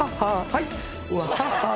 はい。